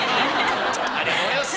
ありがとうございます！